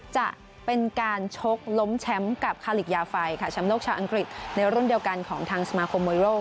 จะเป็นการชกล้มแชมป์กับคาลิกยาไฟค่ะแชมป์โลกชาวอังกฤษในรุ่นเดียวกันของทางสมาคมมวยโลก